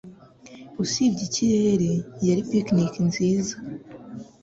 Usibye ikirere, yari picnic nziza